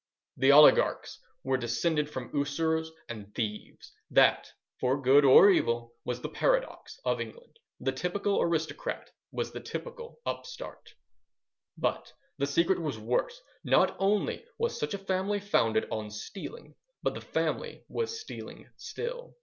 The oligarchs were descended from usurers and thieves. That, for good or evil, was the paradox of England; the typical aristocrat was the typical upstart. But the secret was worse; not only was such a family founded on stealing, but the family was stealing still.